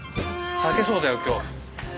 裂けそうだよ今日これ。